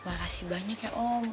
makasih banyak ya om